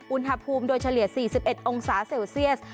อุณหภูมิโดยเฉลี่ย๔๑องศาเซลเซียส